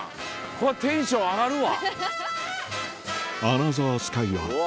こりゃテンション上がるわ。